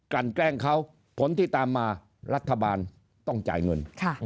แกล้งเขาผลที่ตามมารัฐบาลต้องจ่ายเงิน